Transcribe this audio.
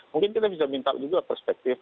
mungkin kita bisa minta juga perspektif